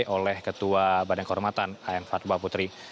oleh ketua badan kehormatan a m fatwa putri